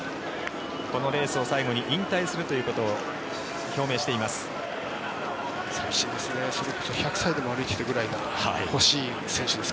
このレースを最後に引退するということを表明しています。